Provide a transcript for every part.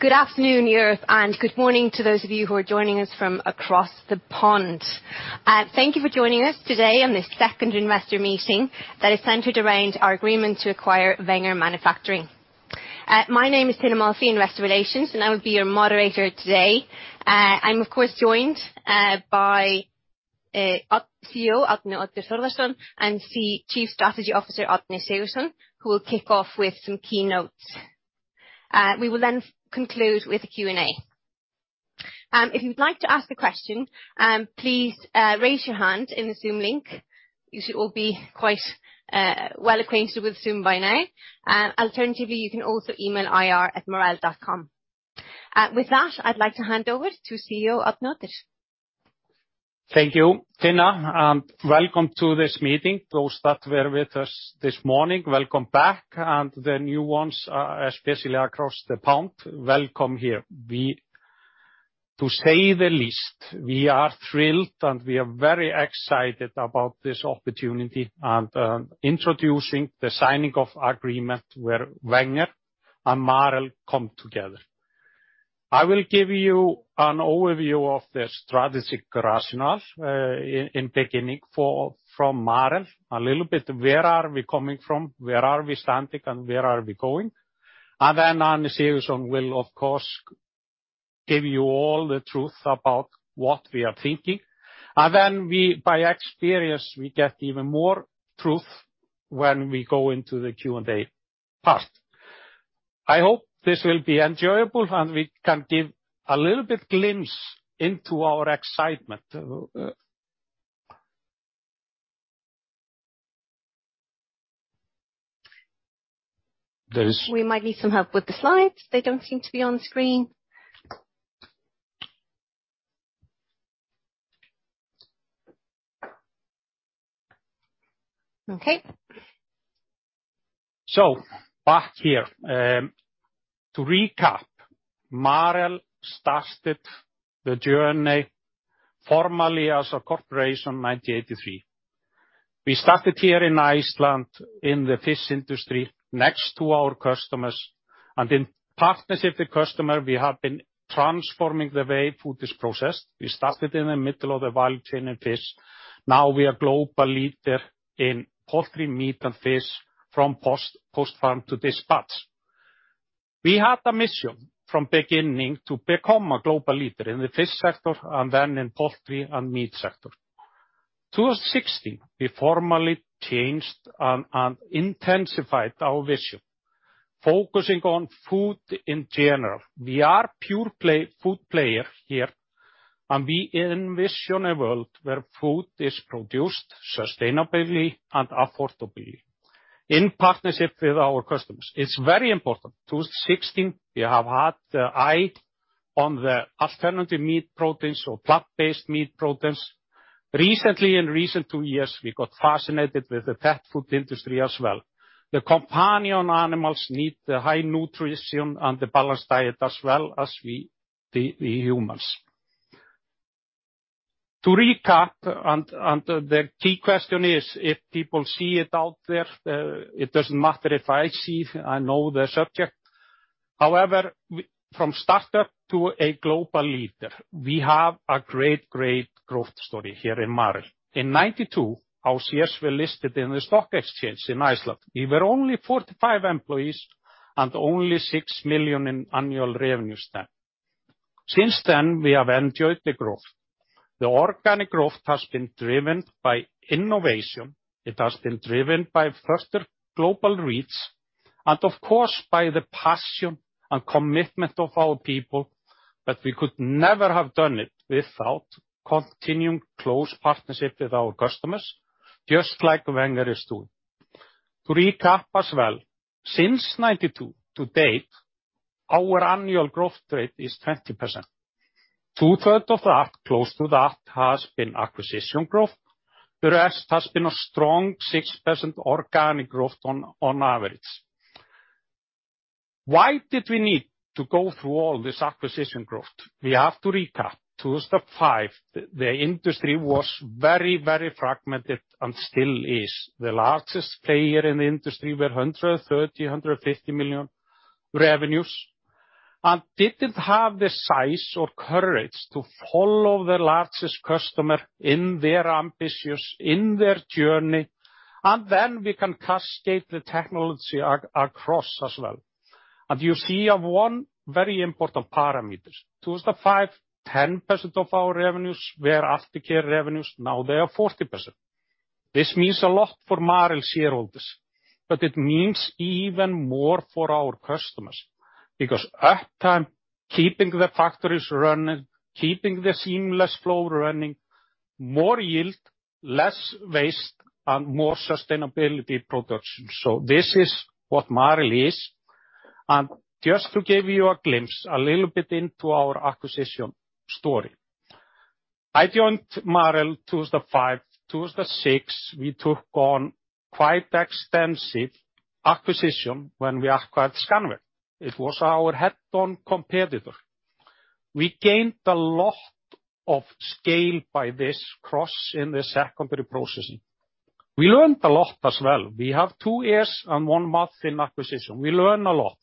Good afternoon, Europe, and good morning to those of you who are joining us from across the pond. Thank you for joining us today on this second investor meeting that is centered around our agreement to acquire Wenger Manufacturing. My name is Tinna Molphy, Investor Relations, and I will be your moderator today. I'm of course joined by CEO, Arni Oddur Thordarson and Chief Strategy Officer, Árni Sigurðsson, who will kick off with some key notes. We will then conclude with a Q&A. If you'd like to ask a question, please raise your hand in the Zoom link. You should all be quite well-acquainted with Zoom by now. Alternatively, you can also email ir@marel.com. With that, I'd like to hand over to CEO, Arni Oddur Thordarson. Thank you, Tinna, and welcome to this meeting. Those that were with us this morning, welcome back. The new ones, especially across the pond, welcome here. To say the least, we are thrilled, and we are very excited about this opportunity and introducing the signing of agreement where Wenger and Marel come together. I will give you an overview of the strategic rationale in the beginning from Marel. A little bit, where are we coming from, where are we standing, and where are we going. Then Árni Sigurðsson will, of course, give you all the truth about what we are thinking. Then we, by experience, get even more truth when we go into the Q&A part. I hope this will be enjoyable, and we can give a little bit glimpse into our excitement. We might need some help with the slides. They don't seem to be on screen. Okay. Back here. To recap, Marel started the journey formally as a corporation in 1983. We started here in Iceland, in the fish industry, next to our customers. In partnership with customer, we have been transforming the way food is processed. We started in the middle of the value chain in fish. Now we are global leader in poultry, meat, and fish from post-farm to dispatch. We had a mission from beginning to become a global leader in the fish sector and then in poultry and meat sector. 2006, we formally changed and intensified our vision, focusing on food in general. We are pure play-food player here, and we envision a world where food is produced sustainably and affordably in partnership with our customers. It's very important. 2016, we have had the eye on the alternative meat proteins or plant-based meat proteins. Recently, in recent two years, we got fascinated with the pet food industry as well. The companion animals need the high nutrition and the balanced diet as well as we, the humans. To recap, the key question is if people see it out there, it doesn't matter if I see, I know the subject. However, from startup to a global leader, we have a great growth story here in Marel. In 1992, our shares were listed in the stock exchange in Iceland. We were only 45 employees and only 6 million in annual revenue. Since then, we have enjoyed the growth. The organic growth has been driven by innovation. It has been driven by faster global reach, and of course, by the passion and commitment of our people. We could never have done it without continuing close partnership with our customers, just like Wenger is doing. To recap as well, since 1992 to date, our annual growth rate is 20%. Two-thirds of that, close to that, has been acquisition growth. The rest has been a strong 6% organic growth on average. Why did we need to go through all this acquisition growth? We have to recap. 2005, the industry was very, very fragmented and still is. The largest player in the industry were 130-1 50 million revenues, and didn't have the size or courage to follow their largest customer in their ambitious journey, and then we can cascade the technology across as well. You see one very important parameters. In 2005, 10% of our revenues were aftermarket revenues, now they are 40%. This means a lot for Marel shareholders, but it means even more for our customers. Because uptime, keeping the factories running, keeping the seamless flow running, more yield, less waste, and more sustainable production. This is what Marel is. Just to give you a glimpse a little bit into our acquisition story. I joined Marel 2005. 2006, we took on quite extensive acquisition when we acquired Scanvaegt. It was our head-on competitor. We gained a lot of scale by this acquisition in the secondary processing. We learned a lot as well. We have two years and one month in acquisition. We learn a lot.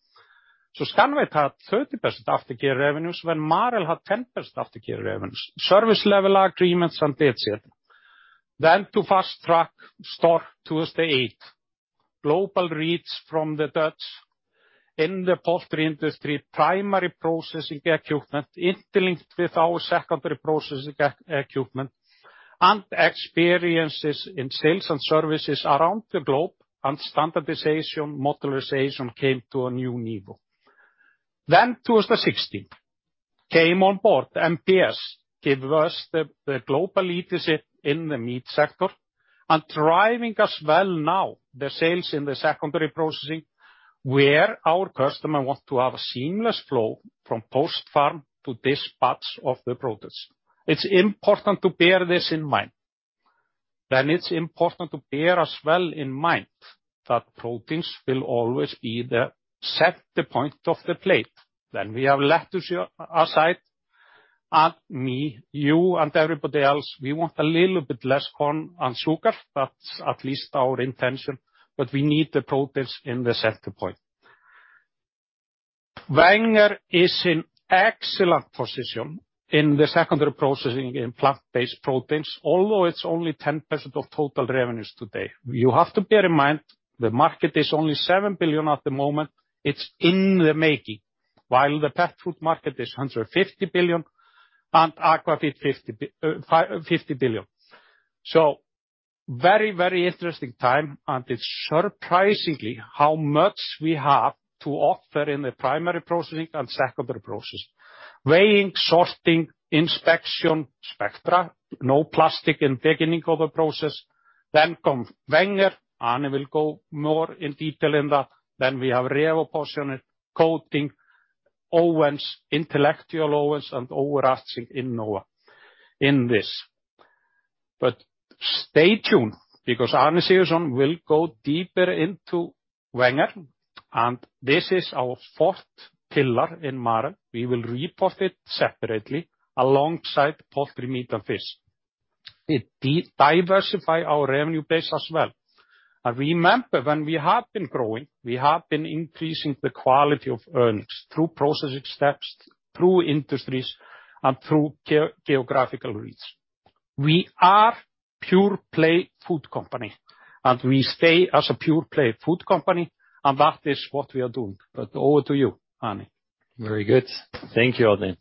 Scanvaegt had 30% aftermarket revenues, when Marel had 10% aftermarket revenues, service level agreements, and et cetera. To fast-track start 2008. Global reach from the Dutch in the poultry industry, primary processing equipment interlinked with our secondary processing equipment, and experiences in sales and services around the globe, and standardization, modularization came to a new level. 2016 came on board. MPS gave us the global leadership in the meat sector and driving us well now, the sales in the secondary processing, where our customer wants to have a seamless flow from post-farm to dispatch of the produce. It's important to bear this in mind. It's important to bear as well in mind that proteins will always be the center point of the plate. We have lettuce aside, and me, you, and everybody else, we want a little bit less corn and sugar. That's at least our intention, but we need the proteins in the center point. Wenger is in excellent position in the secondary processing in plant-based proteins, although it's only 10% of total revenues today. You have to bear in mind, the market is only 7 billion at the moment. It's in the making. While the pet food market is 150 billion and aqua feed 50 billion. Very, very interesting time, and it's surprisingly how much we have to offer in the primary processing and secondary processing. Weighing, sorting, inspection, Spectra, no plastic in beginning of the process. Then comes Wenger. Árni will go more in detail in that. Then we have RevoPortioner portioning, coating, ovens, intelligent ovens, and overarching Innova in this. Stay tuned because Árni Sigurðsson will go deeper into Wenger, and this is our fourth pillar in Marel. We will report it separately alongside poultry, meat, and fish. It diversifies our revenue base as well. Remember, when we have been growing, we have been increasing the quality of earnings through processing steps, through industries, and through geographical reach. We are pure play food company, and we stay as a pure play food company, and that is what we are doing. Over to you, Árni. Very good. Thank you, Oddur.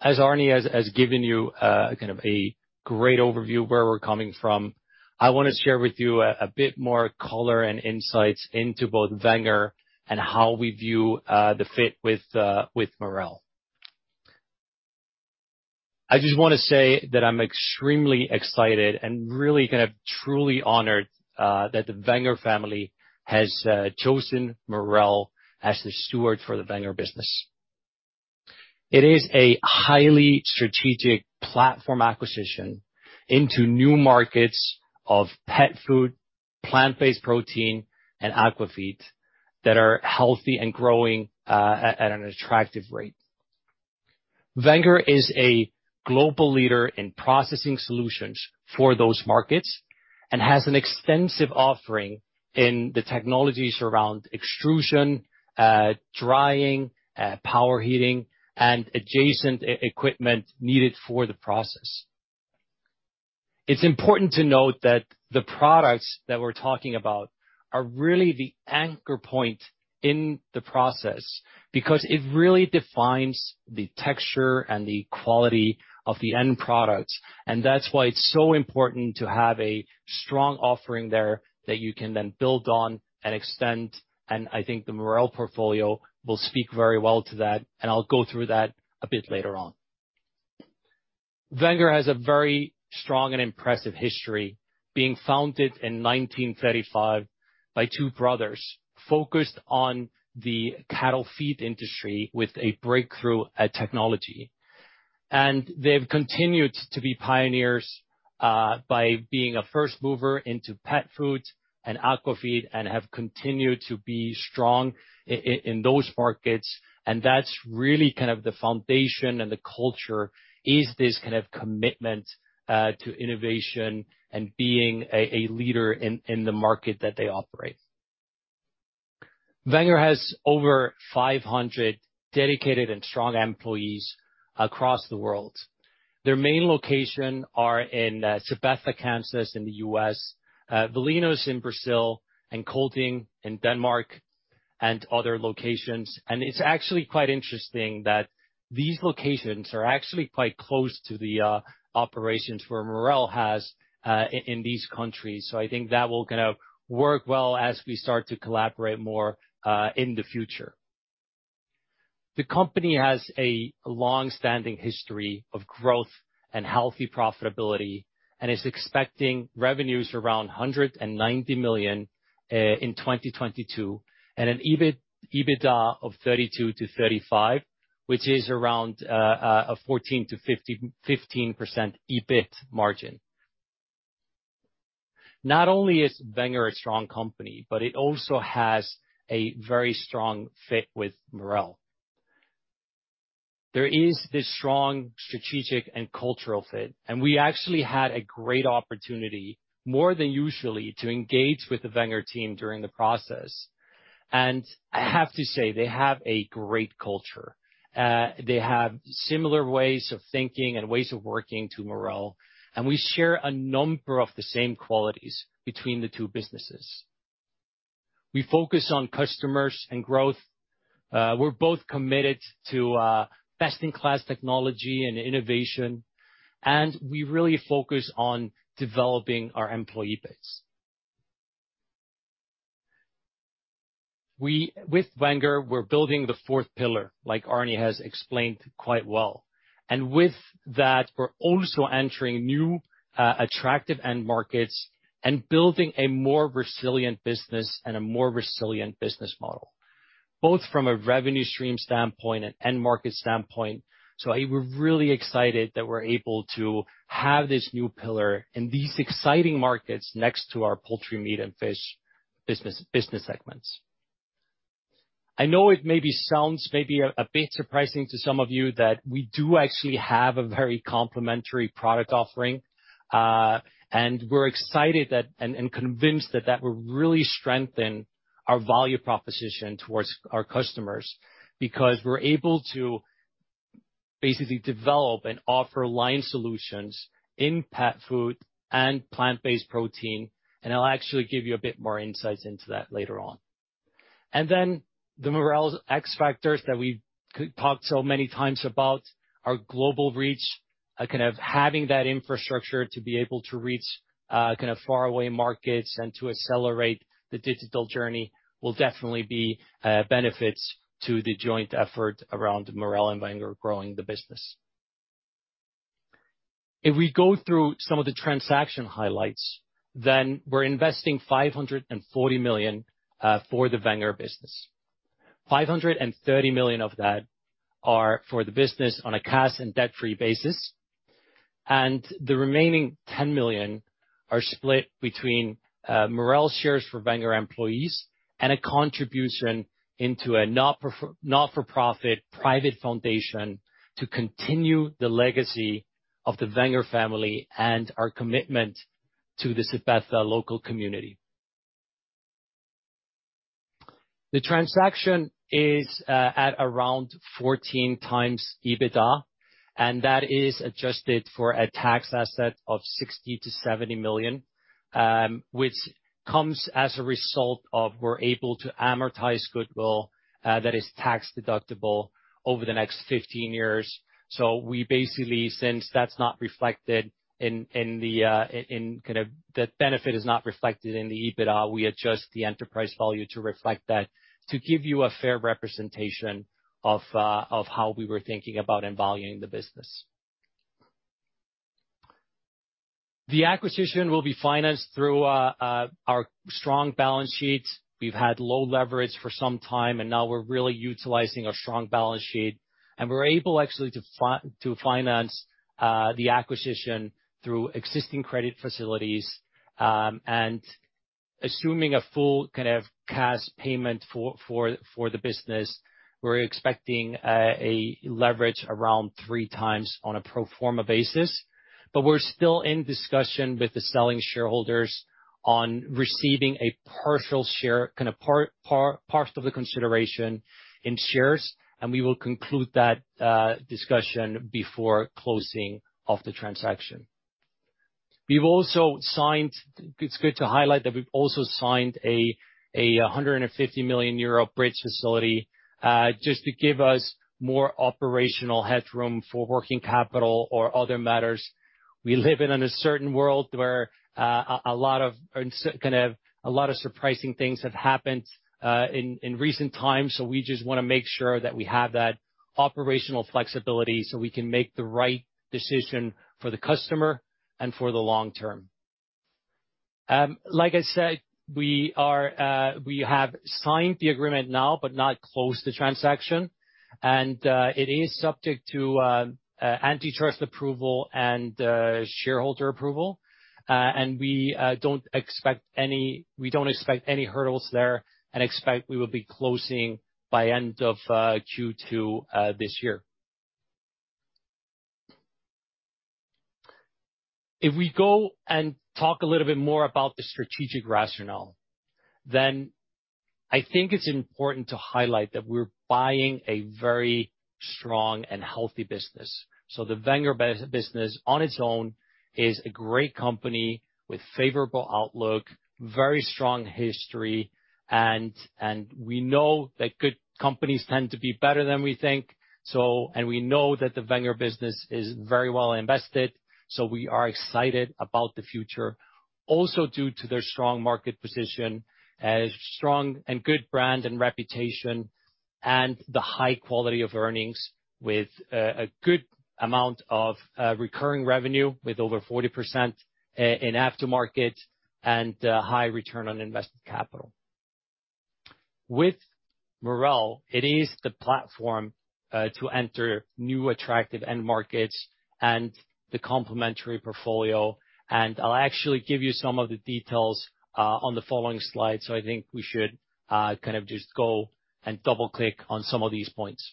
As Árni has given you kind of a great overview where we're coming from, I wanna share with you a bit more color and insights into both Wenger and how we view the fit with Marel. I just wanna say that I'm extremely excited and really kind of truly honored that the Wenger family has chosen Marel as the steward for the Wenger business. It is a highly strategic platform acquisition into new markets of pet food, plant-based protein, and aqua feed that are healthy and growing at an attractive rate. Wenger is a global leader in processing solutions for those markets and has an extensive offering in the technologies around extrusion, drying, pre-heating and adjacent equipment needed for the process. It's important to note that the products that we're talking about are really the anchor point in the process because it really defines the texture and the quality of the end products, and that's why it's so important to have a strong offering there that you can then build on and extend. I think the Marel portfolio will speak very well to that, and I'll go through that a bit later on. Wenger has a very strong and impressive history, being founded in 1935 by two brothers focused on the cattle feed industry with a breakthrough technology. They've continued to be pioneers by being a first mover into pet food and aqua feed and have continued to be strong in those markets. That's really kind of the foundation and the culture, is this kind of commitment to innovation and being a leader in the market that they operate. Wenger has over 500 dedicated and strong employees across the world. Their main location are in Sabetha, Kansas in the US, Valinhos in Brazil, and Kolding in Denmark and other locations. It's actually quite interesting that these locations are actually quite close to the operations where Marel has in these countries. I think that will kinda work well as we start to collaborate more in the future. The company has a longstanding history of growth and healthy profitability and is expecting revenues around 190 million in 2022 and an EBIT, EBITDA of 32-35, which is around a 14%-15% EBIT margin. Not only is Wenger a strong company, but it also has a very strong fit with Marel. There is this strong strategic and cultural fit, and we actually had a great opportunity, more than usual, to engage with the Wenger team during the process. I have to say they have a great culture. They have similar ways of thinking and ways of working to Marel, and we share a number of the same qualities between the two businesses. We focus on customers and growth. We're both committed to best-in-class technology and innovation, and we really focus on developing our employee base. With Wenger, we're building the fourth pillar, like Árni has explained quite well. With that, we're also entering new attractive end markets and building a more resilient business and a more resilient business model, both from a revenue stream standpoint and end market standpoint. We're really excited that we're able to have this new pillar in these exciting markets next to our poultry, meat, and fish business segments. I know it maybe sounds a bit surprising to some of you that we do actually have a very complementary product offering. We're excited and convinced that will really strengthen our value proposition towards our customers because we're able to basically develop and offer line solutions in pet food and plant-based protein, and I'll actually give you a bit more insights into that later on. Marel's X factors that we talked so many times about, our global reach, kind of having that infrastructure to be able to reach kind of faraway markets and to accelerate the digital journey will definitely be benefits to the joint effort around Marel and Wenger growing the business. If we go through some of the transaction highlights, we're investing $540 million for the Wenger business. $530 million of that are for the business on a cash and debt-free basis, and the remaining $10 million are split between Marel shares for Wenger employees and a contribution into a not-for-profit private foundation to continue the legacy of the Wenger family and our commitment to the Sabetha local community. The transaction is at around 14x EBITDA, and that is adjusted for a tax asset of 60-70 million, which comes as a result of we're able to amortize goodwill that is tax-deductible over the next 15 years. We basically, since the benefit is not reflected in the EBITDA, we adjust the enterprise value to reflect that, to give you a fair representation of how we were thinking about and valuing the business. The acquisition will be financed through our strong balance sheet. We've had low leverage for some time, and now we're really utilizing our strong balance sheet. We're able actually to finance the acquisition through existing credit facilities. Assuming a full kind of cash payment for the business, we're expecting a leverage around 3x on a pro forma basis. We're still in discussion with the selling shareholders on receiving a partial share, kind of part of the consideration in shares, and we will conclude that discussion before closing of the transaction. It's good to highlight that we've also signed a 150 million euro bridge facility, just to give us more operational headroom for working capital or other matters. We live in an uncertain world where a lot of surprising things have happened in recent times, so we just want to make sure that we have that operational flexibility so we can make the right decision for the customer and for the long term. Like I said, we have signed the agreement now, but not closed the transaction. It is subject to antitrust approval and shareholder approval. We don't expect any hurdles there and expect we will be closing by end of Q2 this year. If we go and talk a little bit more about the strategic rationale, then I think it's important to highlight that we're buying a very strong and healthy business. The Wenger business on its own is a great company with favorable outlook, very strong history, and we know that good companies tend to be better than we think. We know that the Wenger business is very well invested, so we are excited about the future. Also due to their strong market position as strong and good brand and reputation and the high quality of earnings with a good amount of recurring revenue with over 40% in aftermarket and high return on invested capital. With Marel, it is the platform to enter new attractive end markets and the complementary portfolio. I'll actually give you some of the details on the following slide. I think we should kind of just go and double-click on some of these points.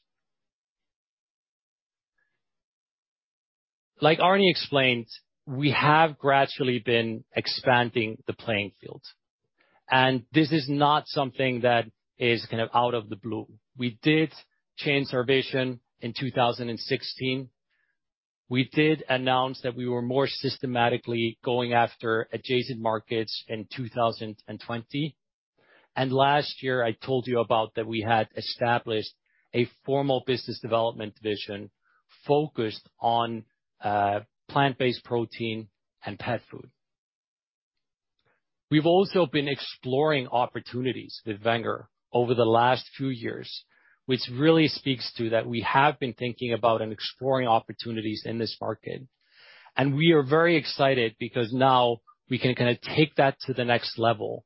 Like Árni explained, we have gradually been expanding the playing field, and this is not something that is kind of out of the blue. We did change our vision in 2016. We did announce that we were more systematically going after adjacent markets in 2020. Last year, I told you about that we had established a formal business development division focused on plant-based protein and pet food. We've also been exploring opportunities with Wenger over the last few years, which really speaks to that we have been thinking about and exploring opportunities in this market. We are very excited because now we can kinda take that to the next level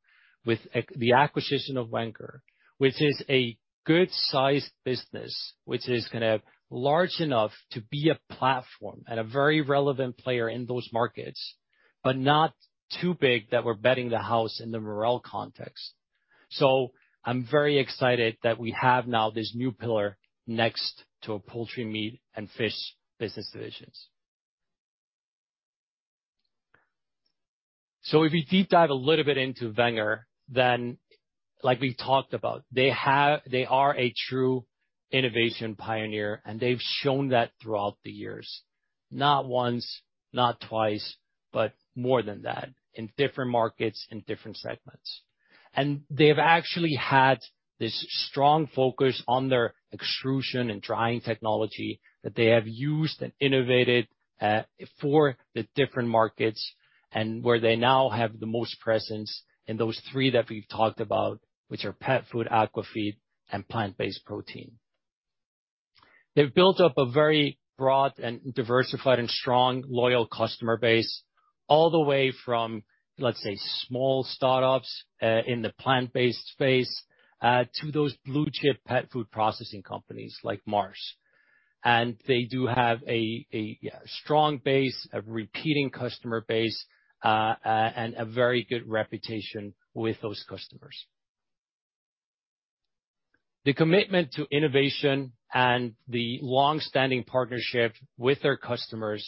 with the acquisition of Wenger, which is a good-sized business, which is kind of large enough to be a platform and a very relevant player in those markets, but not too big that we're betting the house in the Marel context. I'm very excited that we have now this new pillar next to our poultry, meat, and fish business divisions. If you deep dive a little bit into Wenger, then like we talked about, they are a true innovation pioneer, and they've shown that throughout the years, not once, not twice, but more than that in different markets and different segments. They've actually had this strong focus on their extrusion and drying technology that they have used and innovated for the different markets and where they now have the most presence in those three that we've talked about, which are pet food, aqua feed, and plant-based protein. They've built up a very broad and diversified and strong, loyal customer base all the way from, let's say, small startups in the plant-based space to those blue-chip pet food processing companies like Mars. They do have a strong base, a repeat customer base, and a very good reputation with those customers. The commitment to innovation and the long-standing partnership with their customers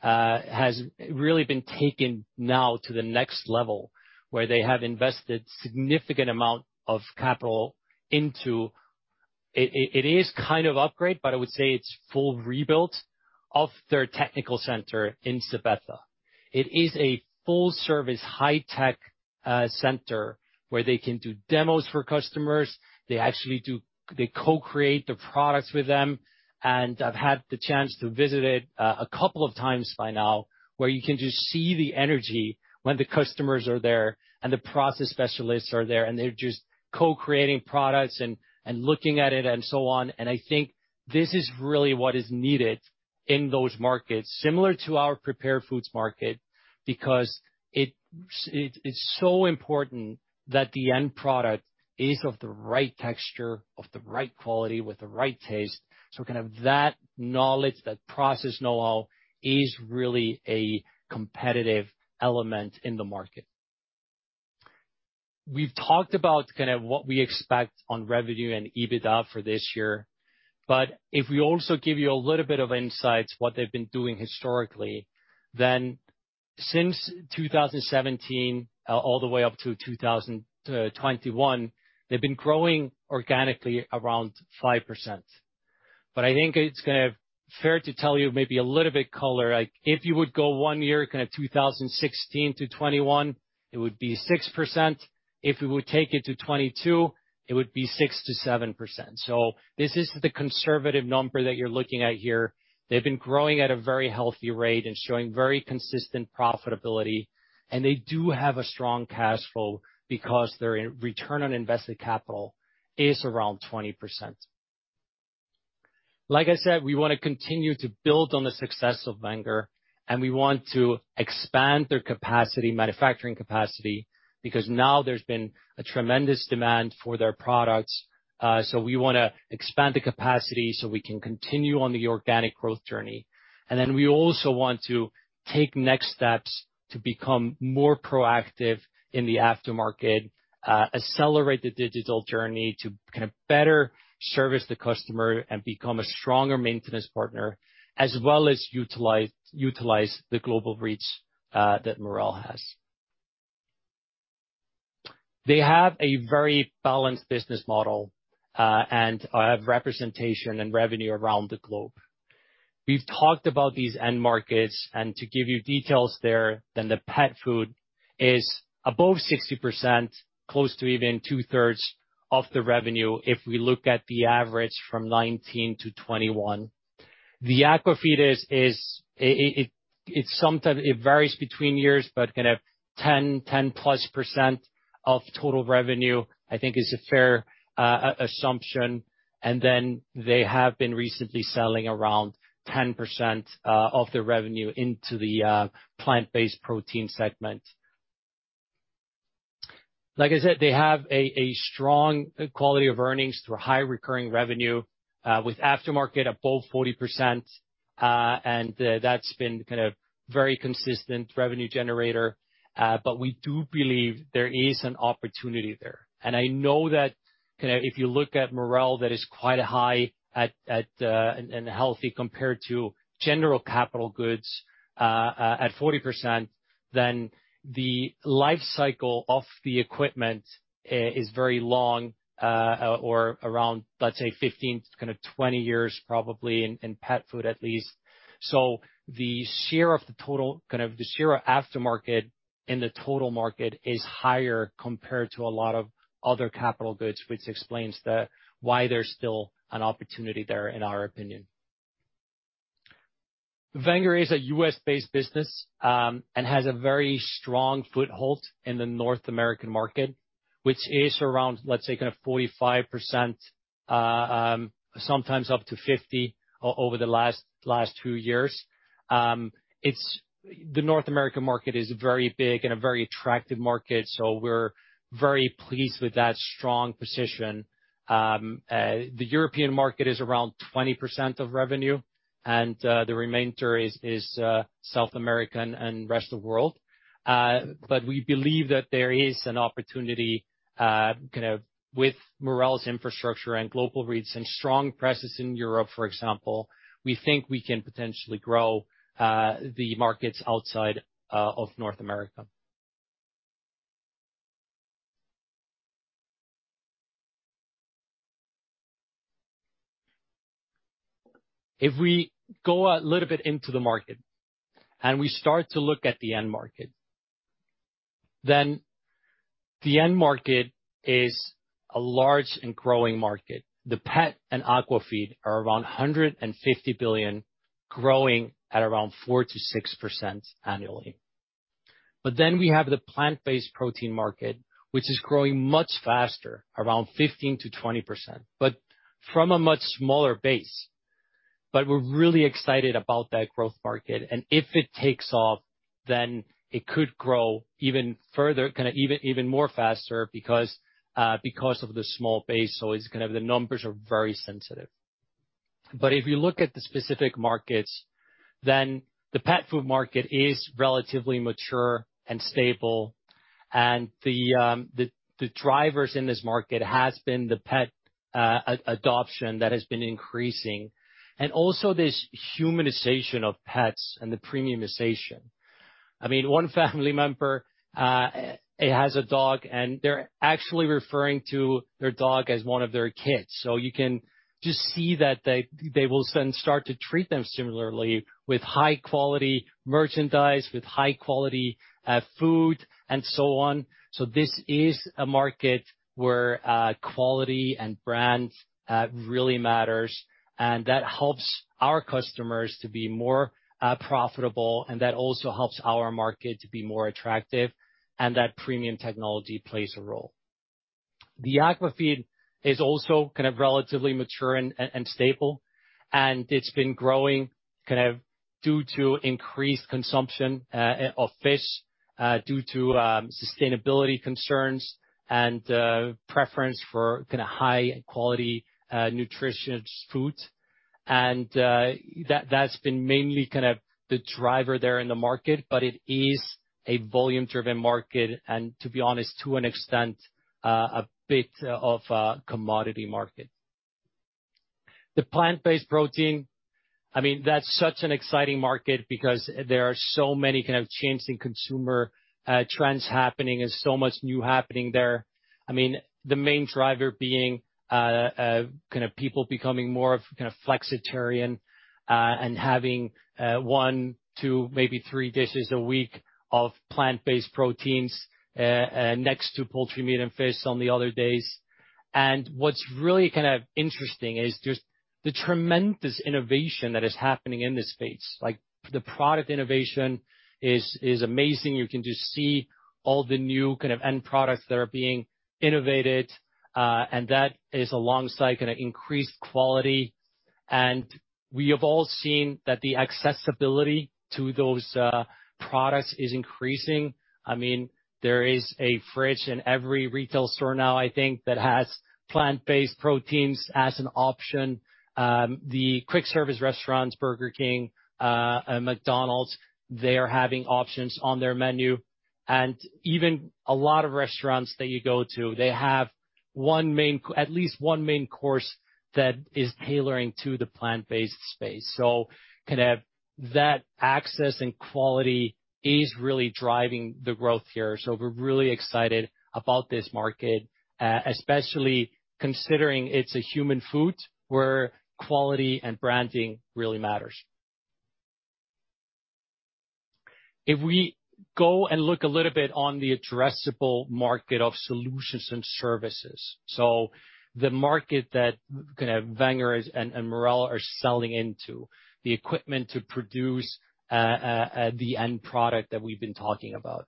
has really been taken now to the next level where they have invested significant amount of capital. It is kind of upgrade, but I would say it's full rebuild of their technical center in Sabetha. It is a full-service, high-tech center where they can do demos for customers. They actually do. They co-create the products with them. I've had the chance to visit it a couple of times by now, where you can just see the energy when the customers are there and the process specialists are there, and they're just co-creating products and looking at it and so on. I think this is really what is needed in those markets, similar to our prepared foods market, because it's so important that the end product is of the right texture, of the right quality with the right taste. So kind of that knowledge, that process know-how is really a competitive element in the market. We've talked about kind of what we expect on revenue and EBITDA for this year. If we also give you a little bit of insights what they've been doing historically, then since 2017 all the way up to 2021, they've been growing organically around 5%. I think it's kind of fair to tell you maybe a little bit color, like if you would go one year, kind of 2016 to 2021, it would be 6%. If we would take it to 2022, it would be 6%-7%. This is the conservative number that you're looking at here. They've been growing at a very healthy rate and showing very consistent profitability, and they do have a strong cash flow because their return on invested capital is around 20%. Like I said, we wanna continue to build on the success of Wenger, and we want to expand their capacity, manufacturing capacity, because now there's been a tremendous demand for their products. We wanna expand the capacity so we can continue on the organic growth journey. We also want to take next steps to become more proactive in the aftermarket, accelerate the digital journey to kind of better service the customer and become a stronger maintenance partner, as well as utilize the global reach that Marel has. They have a very balanced business model, representation and revenue around the globe. We've talked about these end markets, and to give you details there, then the pet food is above 60%, close to even two-thirds of the revenue if we look at the average from 2019 to 2021. The aqua feed is. It varies between years, but kind of 10%+ of total revenue, I think is a fair assumption. They have been recently selling around 10% of their revenue into the plant-based protein segment. Like I said, they have a strong quality of earnings through high recurring revenue with aftermarket above 40%, and that's been kind of very consistent revenue generator. We do believe there is an opportunity there. I know that kind of if you look at Marel, that is quite high at and healthy compared to general capital goods at 40%, then the life cycle of the equipment is very long or around, let's say, 15 to kind of 20 years probably in pet food at least. Kind of the share of aftermarket in the total market is higher compared to a lot of other capital goods, which explains why there's still an opportunity there, in our opinion. Wenger is a U.S.-based business and has a very strong foothold in the North American market, which is around, let's say, kind of 45%, sometimes up to 50% over the last two years. The North American market is very big and a very attractive market, so we're very pleased with that strong position. The European market is around 20% of revenue, and the remainder is South America and rest of world. We believe that there is an opportunity kind of with Marel's infrastructure and global reach and strong presence in Europe, for example, we think we can potentially grow the markets outside of North America. If we go a little bit into the market, and we start to look at the end market, then the end market is a large and growing market. The pet and aqua feed are around 150 billion, growing at around 4%-6% annually. We have the plant-based protein market, which is growing much faster, around 15%-20%, but from a much smaller base. We're really excited about that growth market. If it takes off, then it could grow even further, kind of even more faster because of the small base. It's gonna have the numbers are very sensitive. If you look at the specific markets, then the pet food market is relatively mature and stable. The drivers in this market have been the pet adoption that has been increasing, and also this humanization of pets and the premiumization. I mean, one family member has a dog, and they're actually referring to their dog as one of their kids. You can just see that they will then start to treat them similarly with high-quality merchandise, with high quality food and so on. This is a market where quality and brand really matters, and that helps our customers to be more profitable, and that also helps our market to be more attractive, and that premium technology plays a role. The aqua feed is also kind of relatively mature and stable, and it's been growing kind of due to increased consumption of fish due to sustainability concerns and preference for kind of high quality nutritious food. That's been mainly kind of the driver there in the market, but it is a volume-driven market, and to be honest, to an extent, a bit of a commodity market. The plant-based protein, I mean, that's such an exciting market because there are so many kind of changing consumer trends happening and so much new happening there. I mean, the main driver being kind of people becoming more of kind of flexitarian and having one, two, maybe three dishes a week of plant-based proteins next to poultry, meat, and fish on the other days. What's really kind of interesting is just the tremendous innovation that is happening in this space. Like, the product innovation is amazing. You can just see all the new kind of end products that are being innovated, and that is alongside kinda increased quality. We have all seen that the accessibility to those products is increasing. I mean, there is a fridge in every retail store now, I think, that has plant-based proteins as an option. The quick service restaurants, Burger King, McDonald's, they are having options on their menu. Even a lot of restaurants that you go to, they have at least one main course that is tailoring to the plant-based space. Kind of that access and quality is really driving the growth here. We're really excited about this market, especially considering it's a human food where quality and branding really matters. If we go and look a little bit on the addressable market of solutions and services, the market that kinda Wenger is and Marel are selling into, the equipment to produce the end product that we've been talking about.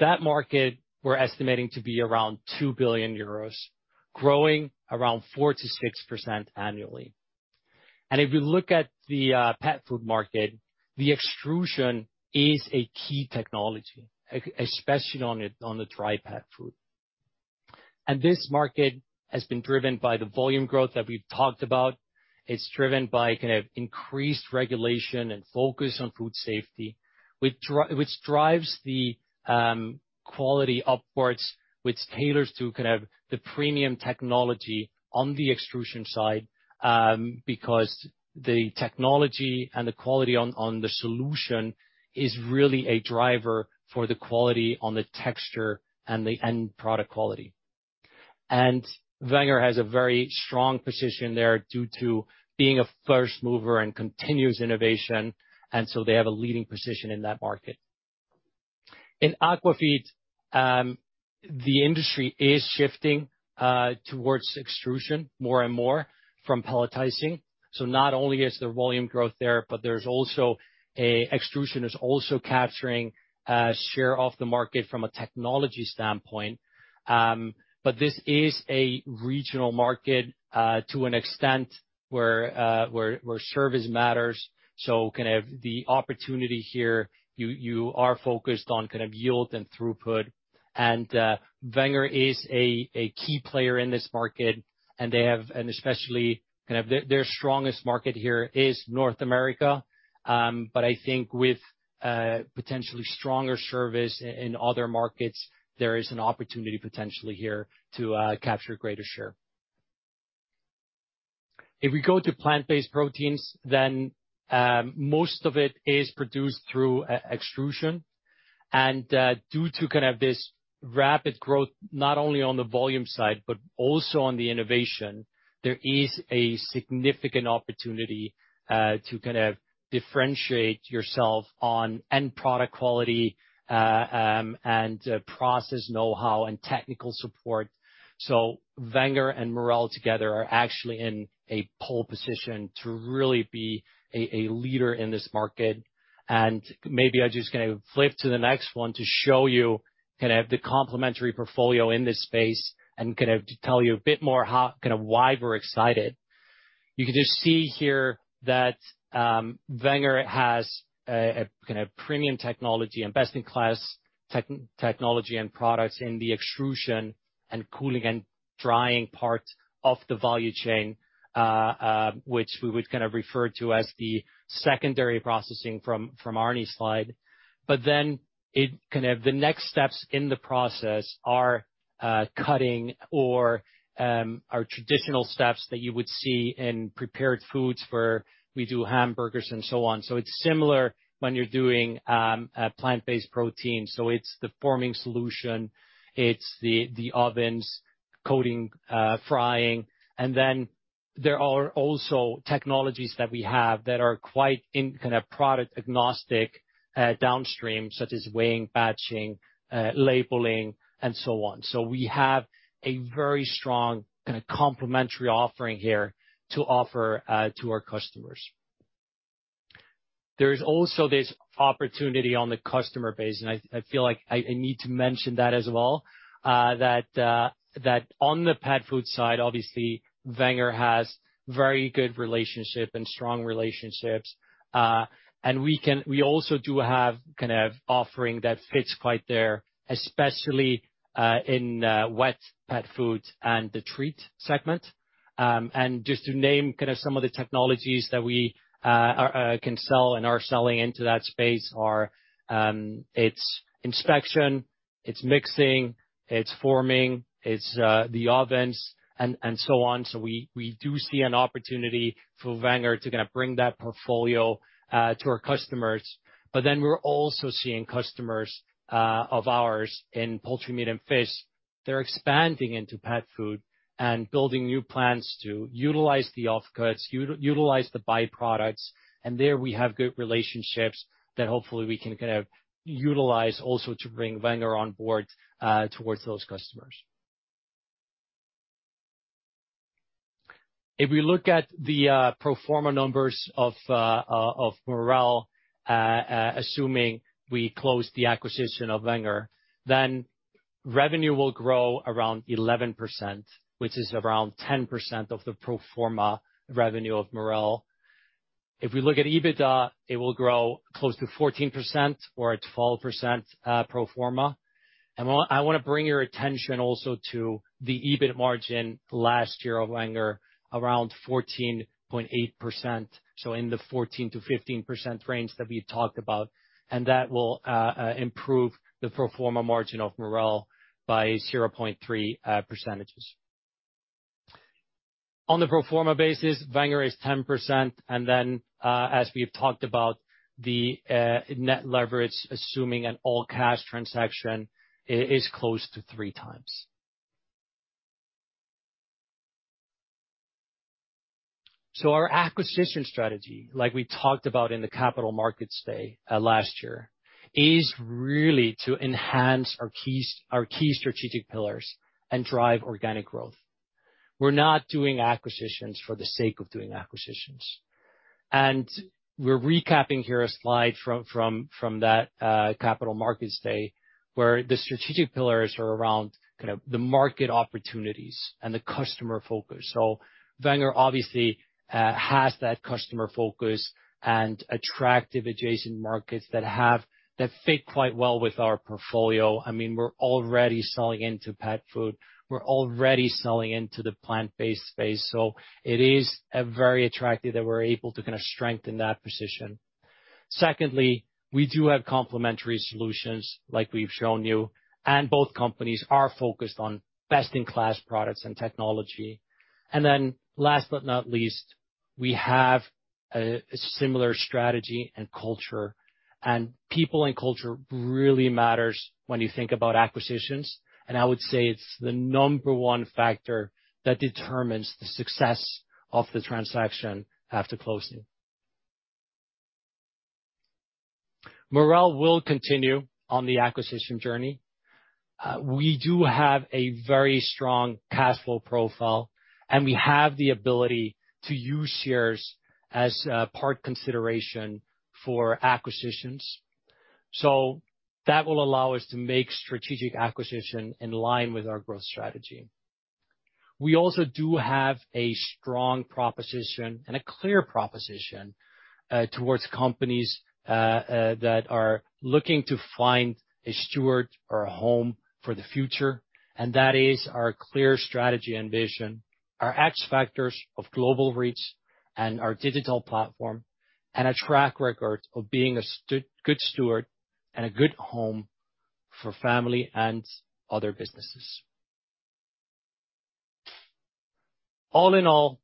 That market we're estimating to be around 2 billion euros, growing around 4%-6% annually. If you look at the pet food market, the extrusion is a key technology, especially on the dry pet food. This market has been driven by the volume growth that we've talked about. It's driven by kind of increased regulation and focus on food safety, which drives the quality upwards, which tailors to kind of the premium technology on the extrusion side, because the technology and the quality on the solution is really a driver for the quality on the texture and the end product quality. Wenger has a very strong position there due to being a first mover and continuous innovation, and so they have a leading position in that market. In aqua feed, the industry is shifting towards extrusion more and more from pelletizing. Not only is there volume growth there, but there's also extrusion is also capturing share of the market from a technology standpoint. This is a regional market to an extent where service matters, so kind of the opportunity here, you are focused on kind of yield and throughput. Wenger is a key player in this market, and especially their strongest market here is North America. I think with potentially stronger service in other markets, there is an opportunity potentially here to capture greater share. If we go to plant-based proteins, most of it is produced through extrusion. Due to kind of this rapid growth, not only on the volume side, but also on the innovation, there is a significant opportunity to kind of differentiate yourself on end product quality and process know-how and technical support. Wenger and Marel together are actually in a pole position to really be a leader in this market. Maybe I just kind of flip to the next one to show you kind of the complementary portfolio in this space and kind of to tell you a bit more why we're excited. You can just see here that Wenger has a kind of premium technology and best-in-class technology and products in the extrusion and cooling and drying part of the value chain, which we would kind of refer to as the secondary processing from Arne's slide. Then the next steps in the process are cutting or traditional steps that you would see in prepared foods, for we do hamburgers and so on. It's similar when you're doing a plant-based protein. It's the forming solution, it's the ovens, coating, frying. Then there are also technologies that we have that are quite innovative, kind of product-agnostic, downstream, such as weighing, batching, labeling and so on. We have a very strong kind of complementary offering here to offer to our customers. There is also this opportunity on the customer base, and I feel like I need to mention that as well, that on the pet food side, obviously Wenger has very good relationship and strong relationships. We also do have kind of offering that fits quite there, especially in wet pet food and the treat segment. Just to name kind of some of the technologies that we can sell and are selling into that space are, it's inspection, it's mixing, it's forming, it's the ovens and so on. We do see an opportunity for Wenger to kind of bring that portfolio to our customers. We're also seeing customers of ours in poultry, meat, and fish. They're expanding into pet food and building new plants to utilize the offcuts, utilize the byproducts. There we have good relationships that hopefully we can kind of utilize also to bring Wenger on board towards those customers. If we look at the pro forma numbers of Marel assuming we close the acquisition of Wenger, then revenue will grow around 11%, which is around 10% of the pro forma revenue of Marel. If we look at EBITDA, it will grow close to 14% or at 12% pro forma. I wanna bring your attention also to the EBIT margin last year of Wenger, around 14.8%. In the 14%-15% range that we talked about. That will improve the pro forma margin of Marel by 0.3 percentage points. On the pro forma basis, Wenger is 10%. As we've talked about, the net leverage, assuming an all-cash transaction, is close to 3x. Our acquisition strategy, like we talked about in the Capital Markets Day last year, is really to enhance our key strategic pillars and drive organic growth. We're not doing acquisitions for the sake of doing acquisitions. We're recapping here a slide from that Capital Markets Day, where the strategic pillars are around kind of the market opportunities and the customer focus. Wenger obviously has that customer focus and attractive adjacent markets that fit quite well with our portfolio. I mean, we're already selling into pet food. We're already selling into the plant-based space. It is very attractive that we're able to kinda strengthen that position. Secondly, we do have complementary solutions like we've shown you, and both companies are focused on best-in-class products and technology. Last but not least, we have a similar strategy and culture. People and culture really matters when you think about acquisitions, and I would say it's the number one factor that determines the success of the transaction after closing. Marel will continue on the acquisition journey. We do have a very strong cash flow profile, and we have the ability to use shares as part consideration for acquisitions. That will allow us to make strategic acquisition in line with our growth strategy. We also do have a strong proposition and a clear proposition towards companies that are looking to find a steward or a home for the future, and that is our clear strategy and vision, our X factors of global reach and our digital platform, and a track record of being a good steward and a good home for family and other businesses. All in all,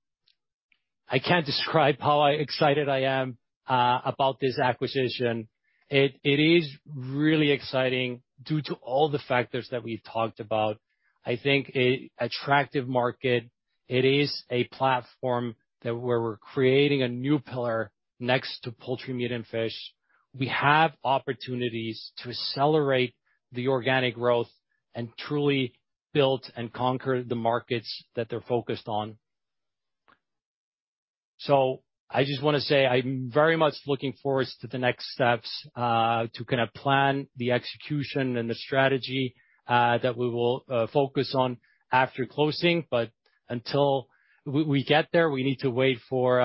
I can't describe how excited I am about this acquisition. It is really exciting due to all the factors that we've talked about. I think an attractive market, it is a platform that where we're creating a new pillar next to poultry, meat, and fish. We have opportunities to accelerate the organic growth and truly build and conquer the markets that they're focused on. I just wanna say, I'm very much looking forward to the next steps to kinda plan the execution and the strategy that we will focus on after closing. Until we get there, we need to wait for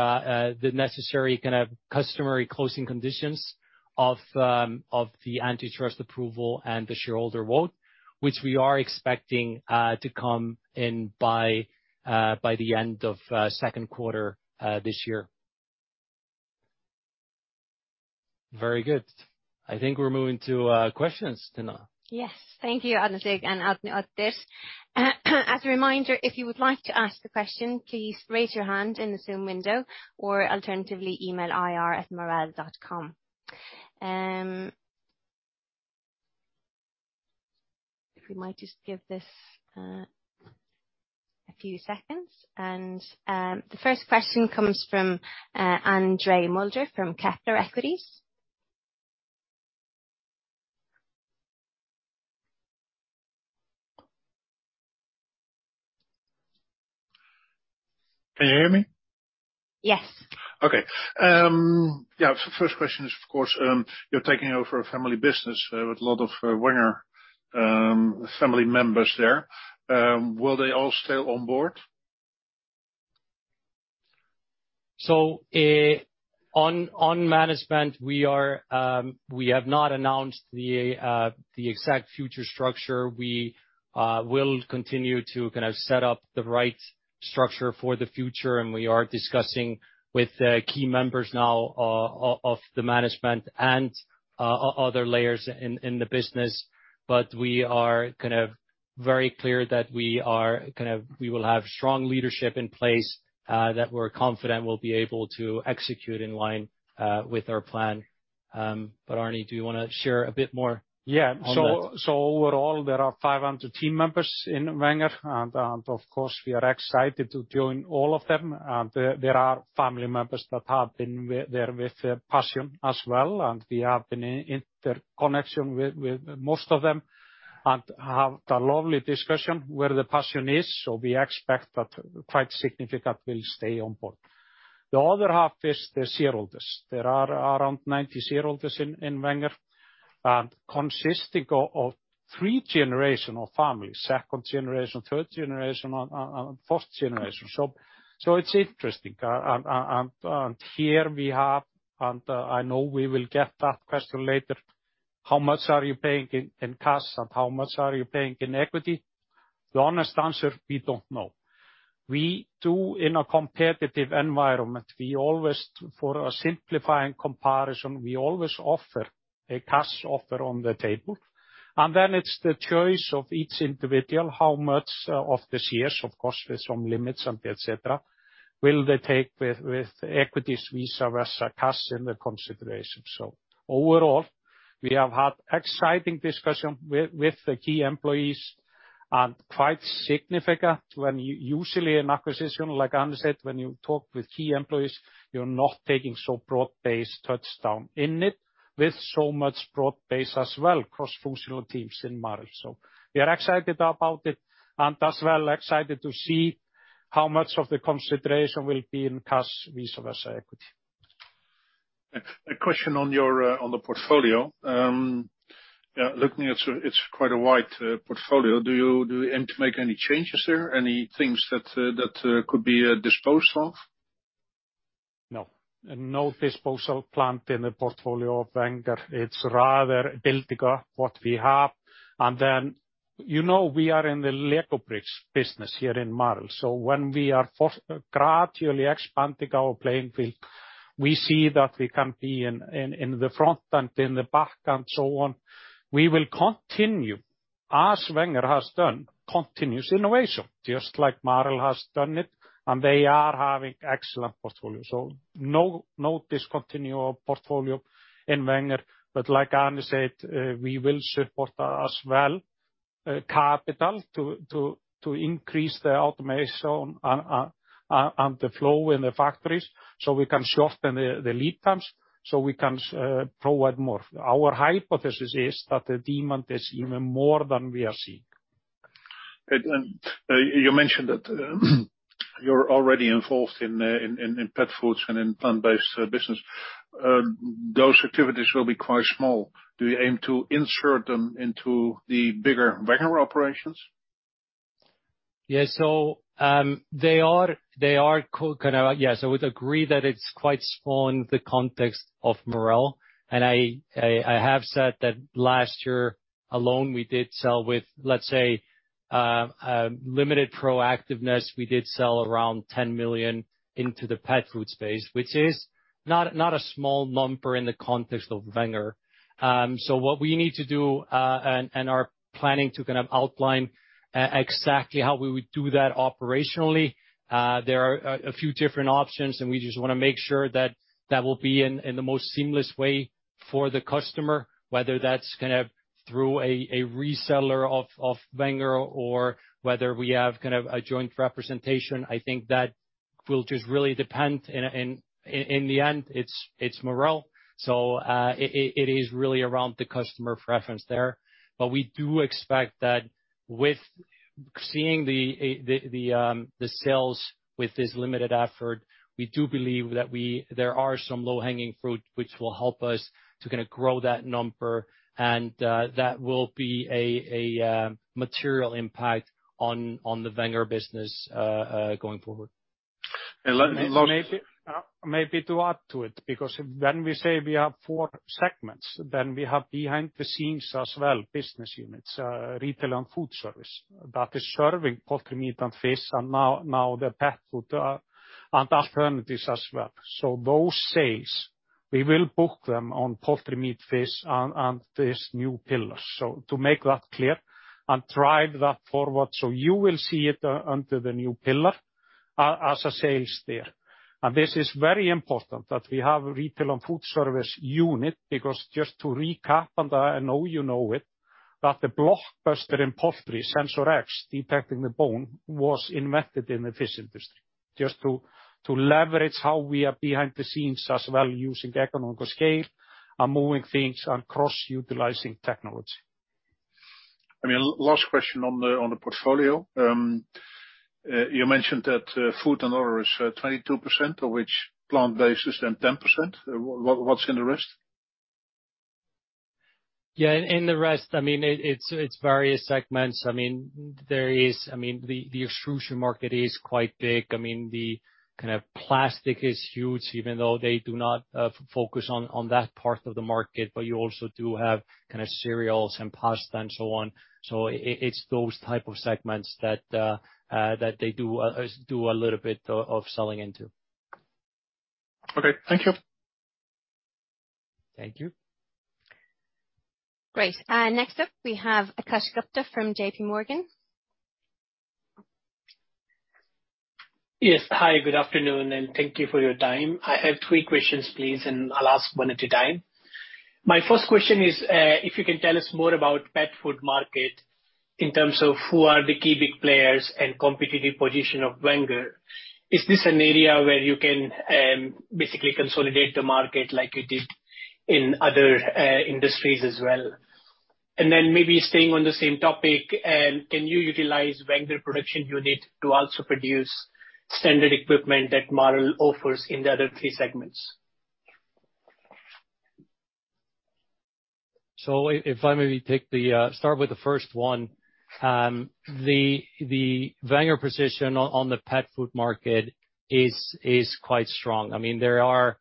the necessary kind of customary closing conditions of the antitrust approval and the shareholder vote, which we are expecting to come in by the end of second quarter this year. Very good. I think we're moving to questions, Tinna. Yes. Thank you, Árni and Arni Oddur. As a reminder, if you would like to ask the question, please raise your hand in the Zoom window, or alternatively, email ir@marel.com. If we might just give this a few seconds. The first question comes from André Mulder from Kepler Cheuvreux. Can you hear me? Yes. Okay. Yeah, first question is, of course, you're taking over a family business with a lot of Wenger family members there. Will they all stay on board? On management, we have not announced the exact future structure. We will continue to kind of set up the right structure for the future, and we are discussing with key members now of the management and other layers in the business. We are kind of very clear that we will have strong leadership in place that we're confident will be able to execute in line with our plan. Árni, do you wanna share a bit more on that? Yeah. Overall, there are 500 team members in Wenger. Of course, we are excited to join all of them. There are family members that have been there with passion as well, and we have been in connection with most of them and had lovely discussions where the passion is. We expect that quite significant will stay on board. The other half is the shareholders. There are around 90 shareholders in Wenger, consisting of three generational families, second generation, third generation, and fourth generation. It's interesting. I know we will get that question later, how much are you paying in cash, and how much are you paying in equity? The honest answer, we don't know. We do in a competitive environment. We always, for a simplifying comparison, offer a cash offer on the table. Then it's the choice of each individual, how much of the shares, of course, with some limits and et cetera, will they take with equities vis-à-vis cash in the consideration. Overall, we have had exciting discussion with the key employees and quite significant. Usually, when an acquisition, like Arni said, when you talk with key employees, you're not taking so broad-based touch down in it. With so much broad base as well, cross-functional teams in Marel. We are excited about it, and as well excited to see how much of the consideration will be in cash vis-à-vis equity. A question on your portfolio. Yeah, looking at you, it's quite a wide portfolio. Do you aim to make any changes there? Any things that could be disposed of? No. No disposal planned in the portfolio of Wenger. It's rather building up what we have. Then, you know, we are in the Lego bricks business here in Marel. When we are gradually expanding our playing field, we see that we can be in the front and in the back and so on. We will continue, as Wenger has done, continuous innovation, just like Marel has done it, and they are having excellent portfolio. No, no discontinuation of portfolio in Wenger. Like Árni said, we will support as well capital to increase the automation and the flow in the factories so we can shorten the lead times, so we can provide more. Our hypothesis is that the demand is even more than we are seeing. You mentioned that you're already involved in pet foods and in plant-based business. Those activities will be quite small. Do you aim to insert them into the bigger Wenger operations? Yeah. They are. Yes, I would agree that it's quite small in the context of Marel. I have said that last year alone we did sell with, let's say, limited proactiveness. We did sell around 10 million into the pet food space, which is not a small number in the context of Wenger. What we need to do and are planning to kind of outline exactly how we would do that operationally, there are a few different options, and we just wanna make sure that that will be in the most seamless way for the customer, whether that's kind of through a reseller of Wenger or whether we have kind of a joint representation. I think that will just really depend. In the end it's Marel, so it is really around the customer preference there. We do expect that with seeing the sales with this limited effort, we do believe that there are some low-hanging fruit which will help us to kinda grow that number, and that will be a material impact on the Wenger business going forward. And la-last- Maybe, maybe to add to it, because when we say we have four segments, then we have behind the scenes as well, business units, retail and food service, that is serving poultry, meat, and fish, and now the pet food, and alternatives as well. Those sales, we will book them on poultry, meat, fish, and this new pillar. To make that clear and drive that forward, you will see it under the new pillar as sales there. This is very important that we have retail and food service unit because just to recap, I know you know it, that the blockbuster in poultry, SensorX, detecting the bone, was invented in the fish industry. To leverage how we are behind the scenes as well, using economies of scale and moving things and cross-utilizing technology. I mean, last question on the portfolio. You mentioned that food and other is 22%, of which plant-based is then 10%. What's in the rest? Yeah. In the rest, I mean, it's various segments. I mean, the extrusion market is quite big. I mean, the kind of plastic is huge, even though they do not focus on that part of the market. But you also do have kinda cereals and pasta and so on. It's those type of segments that they do a little bit of selling into. Okay. Thank you. Thank you. Great. Next up, we have Aakash Gupta from J.P. Morgan. Yes. Hi, good afternoon, and thank you for your time. I have three questions, please, and I'll ask one at a time. My first question is, if you can tell us more about pet food market in terms of who are the key big players and competitive position of Wenger. Is this an area where you can basically consolidate the market like you did in other industries as well? And then maybe staying on the same topic, can you utilize Wenger production unit to also produce standard equipment that Marel offers in the other three segments? If I pick the first one, the Wenger position on the pet food market is quite strong. I mean, there are,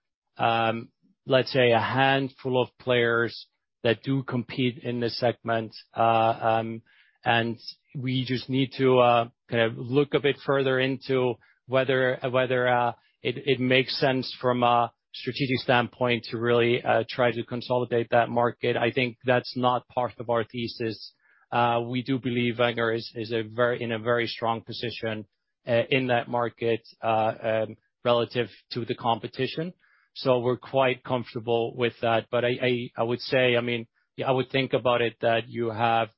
let's say a handful of players that do compete in this segment. We just need to kind of look a bit further into whether it makes sense from a strategic standpoint to really try to consolidate that market. I think that's not part of our thesis. We do believe Wenger is in a very strong position in that market relative to the competition. We're quite comfortable with that. I would say, I mean, I would think about it that you have,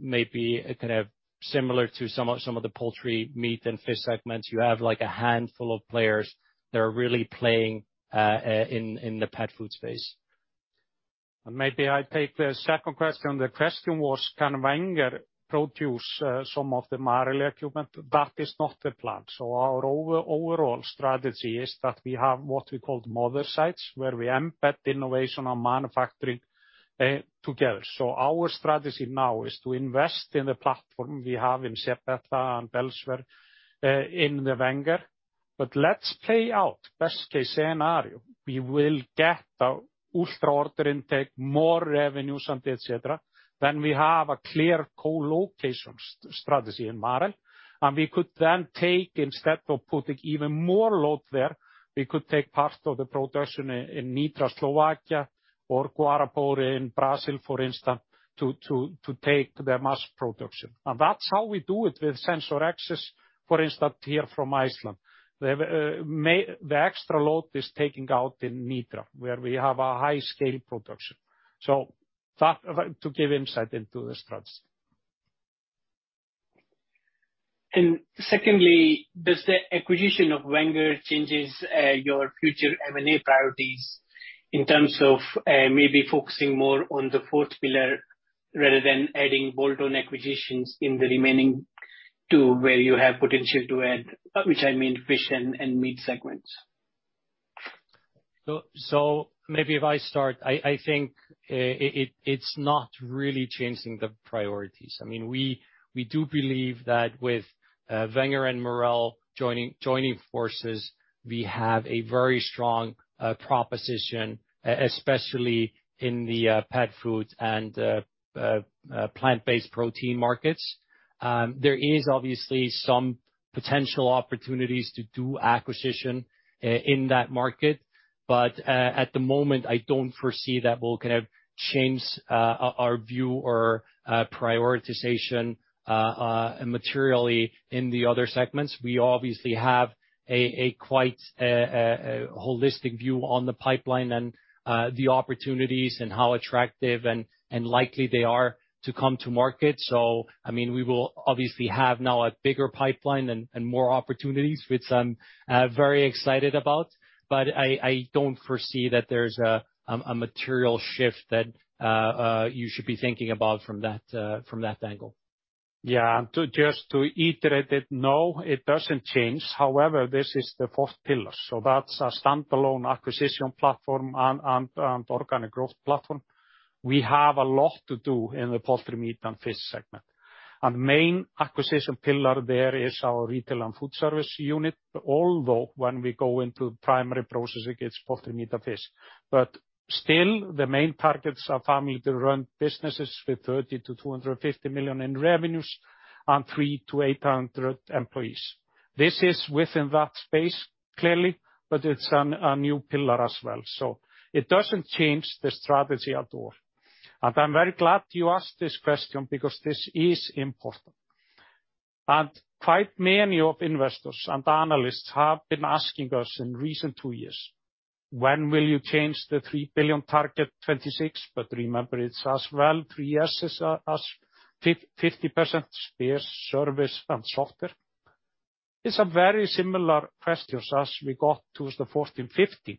maybe kind of similar to some of the poultry, meat, and fish segments, you have like a handful of players that are really playing in the pet food space. Maybe I take the second question. The question was, can Wenger produce some of the Marel equipment? That is not the plan. Our overall strategy is that we have what we call mother sites, where we embed innovation and manufacturing together. Our strategy now is to invest in the platform we have in Sabetha and elsewhere in the Wenger. But let's play out best case scenario, we will get the higher order intake, more revenues and et cetera, then we have a clear co-location strategy in Marel, and we could then take, instead of putting even more load there, we could take part of the production in Nitra, Slovakia or Guarapuava in Brazil, for instance, to take the mass production. That's how we do it with SensorX, for instance, here from Iceland. The extra load is taken out in Nitra, where we have a high scale production. To give insight into the strategy. Secondly, does the acquisition of Wenger changes your future M&A priorities in terms of maybe focusing more on the fourth pillar rather than adding bolt-on acquisitions in the remaining two, where you have potential to add, which I mean fish and meat segments? Maybe if I start. I think it's not really changing the priorities. I mean, we do believe that with Wenger and Marel joining forces, we have a very strong proposition, especially in the pet food and plant-based protein markets. There is obviously some potential opportunities to do acquisition in that market. At the moment, I don't foresee that we'll kind of change our view or prioritization materially in the other segments. We obviously have a quite holistic view on the pipeline and the opportunities and how attractive and likely they are to come to market. I mean, we will obviously have now a bigger pipeline and more opportunities, which I'm very excited about. I don't foresee that there's a material shift that you should be thinking about from that angle. Yeah. Just to iterate it, no, it doesn't change. However, this is the fourth pillar, so that's a standalone acquisition platform and organic growth platform. We have a lot to do in the poultry, meat, and fish segment. Main acquisition pillar there is our retail and food service unit. Although when we go into primary processing, it's poultry, meat and fish. Still, the main targets are family-run businesses with 30 million-250 million in revenues and 3-800 employees. This is within that space, clearly, but it's a new pillar as well. It doesn't change the strategy at all. I'm very glad you asked this question because this is important. Quite many of investors and analysts have been asking us in recent two years, "When will you change the 3 billion target 2026?" Remember, it's as well three S's as 50% spares, service, and software. It's a very similar questions as we got 2014, 2015.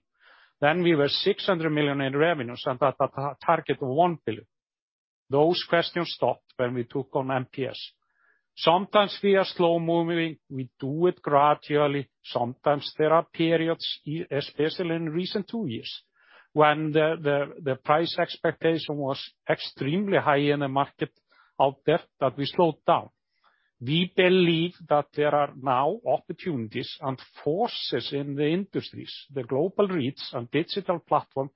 Then we were 600 million in revenues and had a target of 1 billion. Those questions stopped when we took on MPS. Sometimes we are slow-moving. We do it gradually. Sometimes there are periods, especially in recent two years, when the price expectation was extremely high in a market out there that we slowed down. We believe that there are now opportunities and forces in the industries, the global reach and digital platform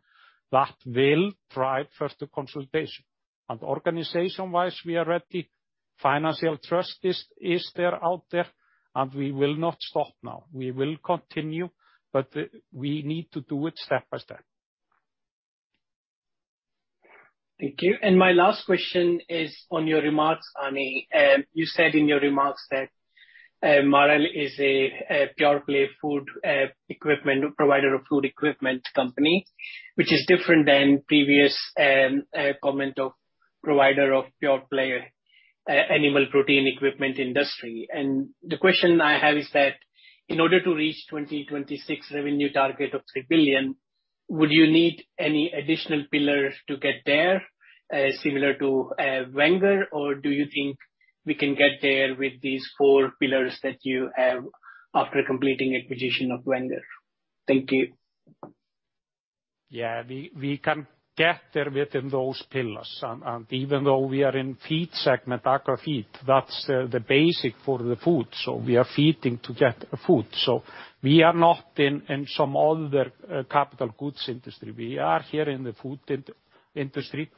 that will drive further consolidation. Organization-wise, we are ready. Financial trust is there out there. We will not stop now. We will continue, but we need to do it step by step. Thank you. My last question is on your remarks, Árni. You said in your remarks that Marel is a pure play food equipment provider of food equipment company, which is different than previous comment of provider of pure play animal protein equipment industry. The question I have is that in order to reach 2026 revenue target of 3 billion, would you need any additional pillars to get there similar to Wenger? Or do you think we can get there with these four pillars that you have after completing acquisition of Wenger? Thank you. Yeah. We can get there within those pillars. Even though we are in feed segment, aqua feed, that's the basic for the food. We are feeding to get food. We are not in some other capital goods industry. We are here in the food industry.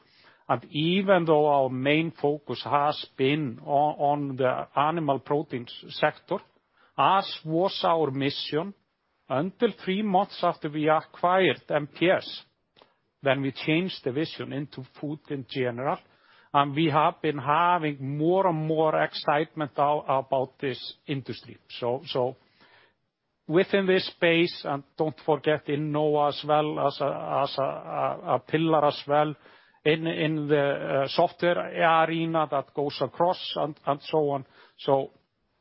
Even though our main focus has been on the animal proteins sector, as was our mission, until three months after we acquired MPS, then we changed the vision into food in general, and we have been having more and more excitement about this industry. Within this space, and don't forget Innova as well as a pillar as well in the software arena that goes across and so on.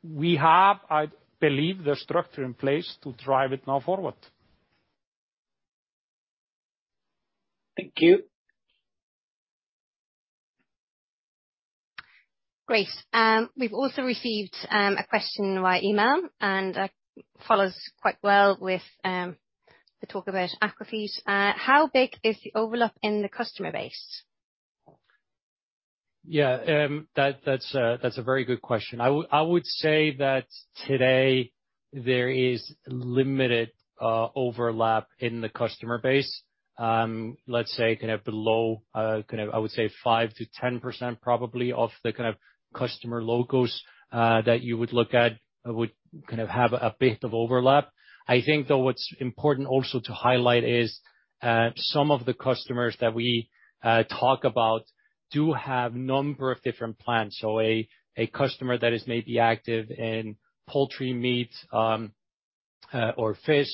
We have, I believe, the structure in place to drive it now forward. Thank you. Great. We've also received a question via email, and that follows quite well with the talk about aqua feeds. How big is the overlap in the customer base? Yeah, that's a very good question. I would say that today there is limited overlap in the customer base. Let's say kind of below kind of I would say 5%-10% probably of the kind of customer logos that you would look at would kind of have a bit of overlap. I think, though, what's important also to highlight is some of the customers that we talk about do have a number of different plants. A customer that is maybe active in poultry, meat, or fish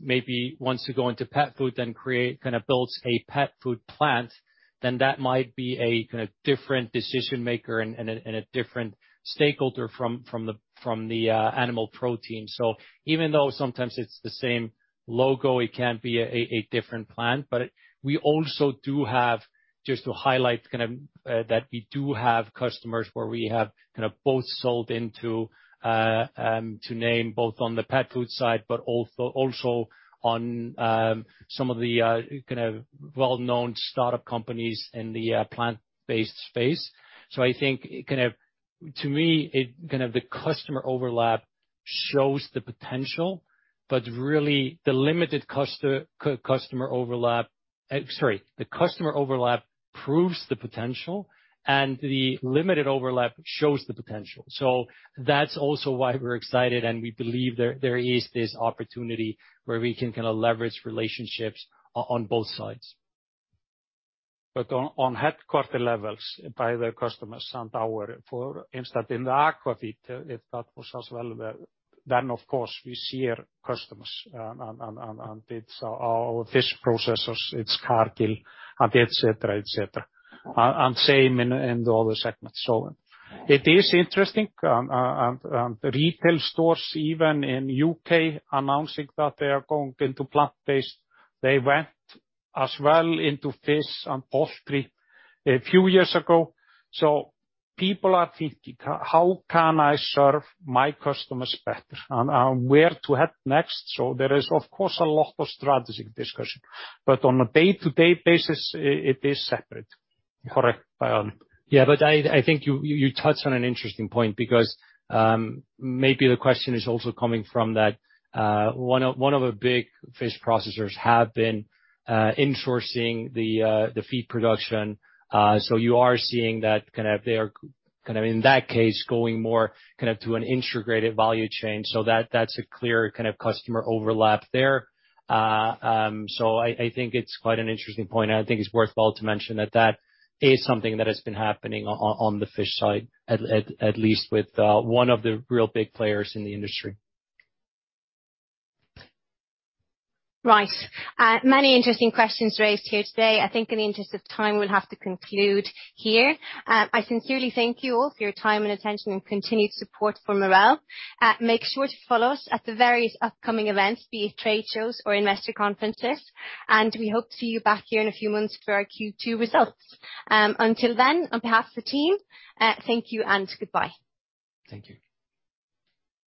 maybe wants to go into pet food kind of builds a pet food plant, then that might be a different decision maker and a different stakeholder from the animal protein. Even though sometimes it's the same logo, it can be a different plant. We also do have, just to highlight kind of, that we do have customers where we have kind of both sold into, to name both on the pet food side, but also on some of the kind of well-known startup companies in the plant-based space. I think kind of, to me, the customer overlap proves the potential, and the limited overlap shows the potential. That's also why we're excited, and we believe there is this opportunity where we can kinda leverage relationships on both sides. On headquarters levels, by the customers and our for instance, in the aqua feed, if that was as well there, then of course we see our customers on fish processors, it's Cargill and et cetera, et cetera. And same in the other segments. It is interesting, and retail stores even in U.K. announcing that they are going into plant-based. They went as well into fish and poultry a few years ago. People are thinking, how can I serve my customers better? Where to head next? There is, of course, a lot of strategic discussion. On a day-to-day basis, it is separate. Correct, Bjarne? Yeah. I think you touched on an interesting point because maybe the question is also coming from that one of the big fish processors have been insourcing the feed production. You are seeing that kind of they are kind of in that case going more kind of to an integrated value chain. That, that's a clear kind of customer overlap there. I think it's quite an interesting point, and I think it's worthwhile to mention that that is something that has been happening on the fish side, at least with one of the real big players in the industry. Right. Many interesting questions raised here today. I think in the interest of time, we'll have to conclude here. I sincerely thank you all for your time and attention and continued support for Marel. Make sure to follow us at the various upcoming events, be it trade shows or investor conferences. We hope to see you back here in a few months for our Q2 results. Until then, on behalf of the team, thank you and goodbye. Thank you.